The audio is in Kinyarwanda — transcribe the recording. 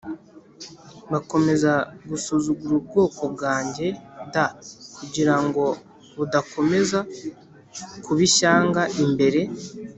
bakomeza gusuzugura ubwoko bwanjye d kugira ngo budakomeza kuba ishyanga imbere